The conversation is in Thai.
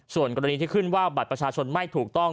ส่วนกรณีที่ขึ้นว่าบัตรประชาชนไม่ถูกต้อง